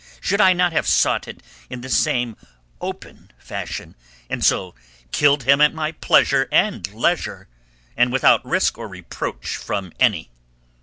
Should I not have sought it in the same open fashion, and so killed him at my pleasure and leisure, and without risk or reproach from any?"